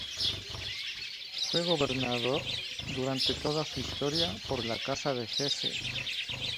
Fue gobernado durante toda su historia por la Casa de Hesse.